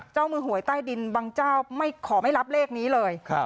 เจ้ามือหวยใต้ดินบางเจ้าไม่ขอไม่รับเลขนี้เลย